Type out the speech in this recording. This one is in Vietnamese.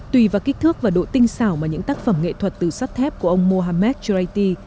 tùy vào kích thước và độ tinh xảo mà những tác phẩm nghệ thuật từ sắt thép của ông mohammed traity